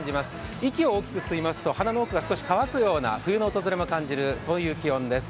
息を大きく吸いますと鼻の奥が少し乾くような冬の訪れも感じる、そういう気温です。